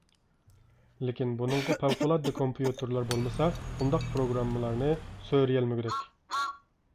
لېكىن بۇنىڭغا پەۋقۇلئاددە كومپيۇتېرلار بولمىسا، بۇنداق پىروگراممىلارنى سۆرىيەلمىگۈدەك.